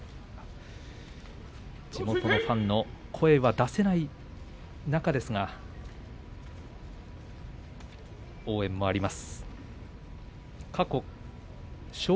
地元のファンの声は出せない中ですが、応援もあります。